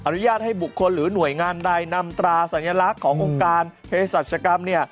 อนุญาตให้บุคคลหรือหน่วยงานใดนำตราสัญลักษณ์ขององค์การเพศรัชกรรม